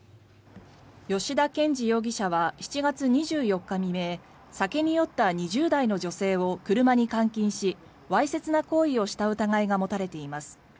吉田憲二容疑者は７月２４日未明酒に酔った２０代の女性を車に監禁しわいせつな行為をした疑いが持たれています。